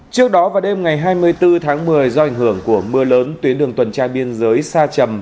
trước đó vào đêm ngày hai mươi bốn tháng một mươi do ảnh hưởng của mưa lớn tuyến đường tuần tra biên giới xa chầm